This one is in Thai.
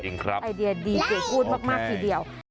จริงครับไอเดียดีเก่งอุ๊ดมากทีเดียว